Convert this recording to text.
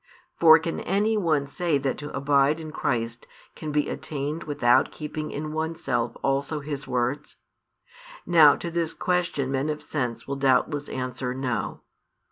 For can any one say that to abide in Christ can be attained without keeping in oneself also His words? Now to this question men of sense will doubtless answer "No."